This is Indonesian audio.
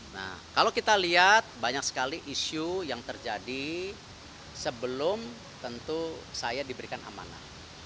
nah kalau kita lihat banyak sekali isu yang terjadi sebelum tentu saya diberikan amanah